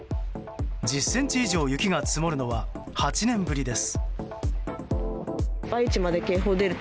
１０ｃｍ以上雪が積もるのは８年ぶりです。